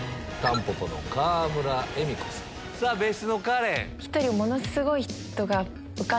さぁ別室のカレン。